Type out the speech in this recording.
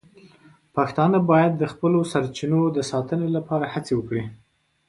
پښتانه باید د خپلو سرچینو د ساتنې لپاره هڅې وکړي.